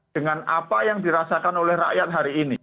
dengan apa yang dirasakan oleh rakyat hari ini